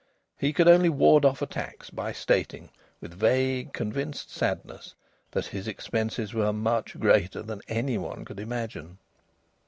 He could only ward off attacks by stating with vague, convinced sadness that his expenses were much greater than any one could imagine.